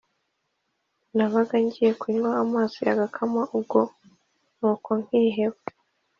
Nabaga ngiye kunywa amazi agakama ubwo nuko nkiheba